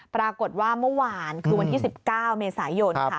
ปรากฏว่าเมื่อวานคือวันที่๑๙เมษายน